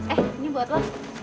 eh ini buat lo